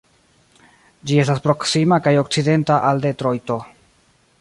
Ĝi estas proksima kaj okcidenta al Detrojto.